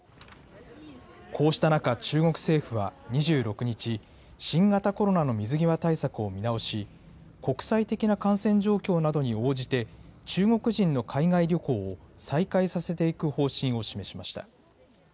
こうした中、中国政府は２６日、新型コロナの水際対策を見直し、国際的な感染状況などに応じて、中国人の海外旅行を再開させていく方針を示しました。